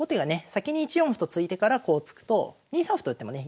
先に１四歩と突いてからこう突くと２三歩と打ってもね